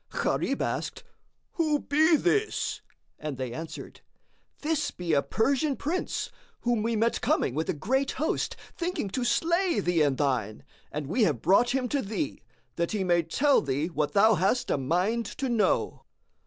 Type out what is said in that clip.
Gharib asked, "Who be this?" and they answered, "This be a Persian Prince, whom we met coming with a great host, thinking to slay thee and thine, and we have brought him to thee, that he may tell thee what thou hast a mind to know."